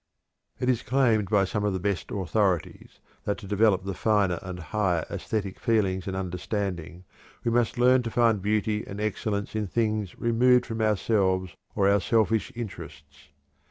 It is claimed by some of the best authorities that to develop the finer and higher æsthetic feelings and understanding we must learn to find beauty and excellence in things removed from ourselves or our selfish interests.